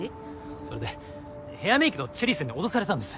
それでヘアメークのチェリーさんに脅されたんです。